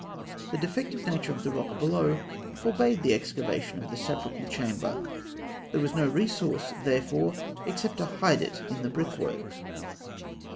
The defective nature of the rock below forbade the excavation of the sepulchral chamber; there was no resource, therefore, except to hide it in the brickwork.